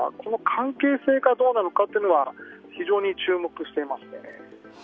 関係性がどうなのかというのは非常に注目していますね。